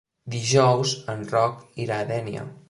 Dijous en Roc irà a Dénia.